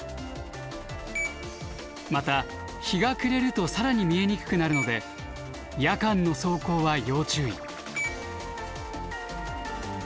また日が暮れると更に見えにくくなるので夜間の走行は要注意。